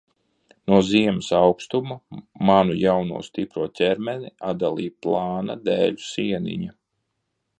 No ziemas aukstuma manu jauno, stipro ķermeni atdalīja plāna dēļu sieniņa.